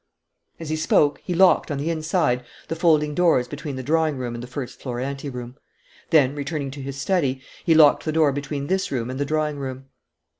As he spoke, he locked, on the inside, the folding doors between the drawing room and the first floor anteroom; then, returning to his study, he locked the door between this room and the drawing room.